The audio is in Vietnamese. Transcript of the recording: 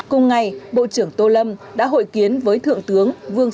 cùng ngày bộ trưởng tô lâm đã hội kiến với trường thành vàng